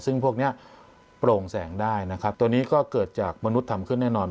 ซึ่งพวกนี้โปร่งแสงได้นะครับตัวนี้ก็เกิดจากมนุษย์ทำขึ้นแน่นอน